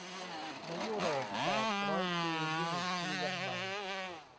ในยุโรปแปดร้อยปีนี่คือยังใหม่